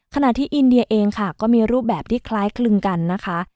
ขณะที่อินเดียเองค่ะก็มีรูปแบบที่คล้ายคลึงกันนะคะ